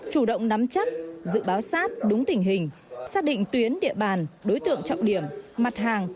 chủ động nắm chắc dự báo sát đúng tình hình xác định tuyến địa bàn đối tượng trọng điểm mặt hàng